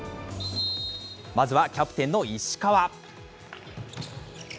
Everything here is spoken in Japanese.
まずはキャプテンの石川。